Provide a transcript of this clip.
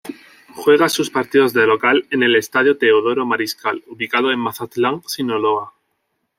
Juega sus partidos de local en el Estadio Teodoro Mariscal, ubicado en Mazatlán, Sinaloa.